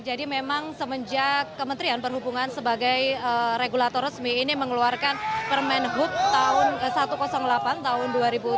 jadi memang semenjak kementerian perhubungan sebagai regulator resmi ini mengeluarkan permen hub no satu ratus delapan tahun dua ribu tujuh belas